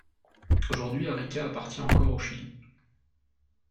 Aujourd'hui, Arica appartient encore au Chili.